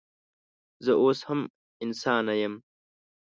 زه اوس هم انسانه یم